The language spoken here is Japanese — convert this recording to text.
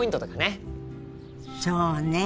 そうね。